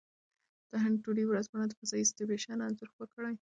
د هند ټوډې ورځپاڼه د فضايي سټېشن انځور خپور کړی.